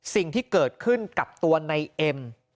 สิ่งที่เกิดขึ้นกับตัวในเอ็ม